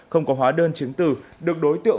không có hóa đơn chứng từ được đối tượng mua trôi nổi